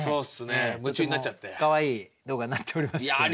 かわいい動画になっておりましたけれども。